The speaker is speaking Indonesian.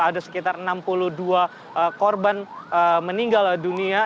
ada sekitar enam puluh dua korban meninggal dunia